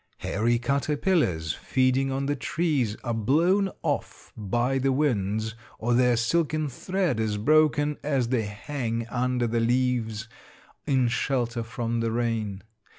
Hairy caterpillars feeding on the trees are blown off by the winds, or their silken thread is broken, as they hang under the leaves in shelter from the rain.